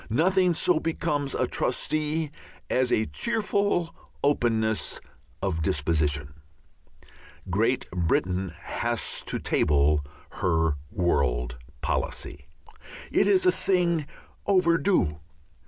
Nothing so becomes a trustee as a cheerful openness of disposition. Great Britain has to table her world policy. It is a thing overdue.